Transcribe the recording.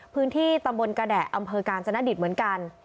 พื้นที่ตำบลกระแดะอำเภอกาญจนดิตเหมือนกัน